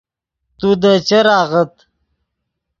تو دے چر آغت